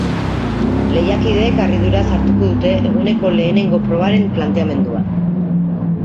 Lehiakideek harriduraz hartuko dute eguneko lehenengo probaren planteamendua.